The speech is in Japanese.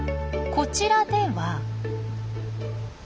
こちらでは。